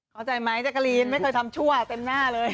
เข้าใจไหมแจ๊กกะลีนไม่เคยทำชั่วเต็มหน้าเลย